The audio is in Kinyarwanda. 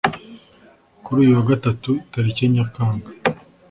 kuri uyu wa gatatu tariki nyakanga